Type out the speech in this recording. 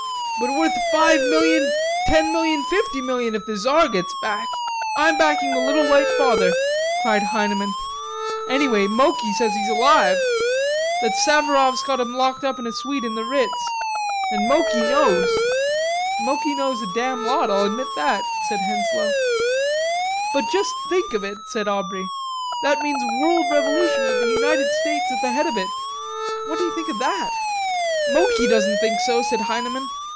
But worth five million, ten million, fifty million if the Czar gets back.... I'm backing the little white father," cried Heineman. "Anyway Moki says he's alive; that Savaroffs got him locked up in a suite in the Ritz.... And Moki knows." "Moki knows a damn lot, I'll admit that," said Henslowe. "But just think of it," said Aubrey, "that means world revolution with the United States at the head of it. What do you think of that?" "Moki doesn't think so," said Heineman.